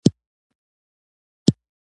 د پاچاهۍ خدمت ته ولاړ شي.